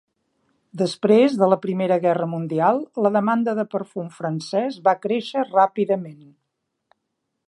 Després de la Primera Guerra Mundial, la demanda de perfum francès va créixer ràpidament.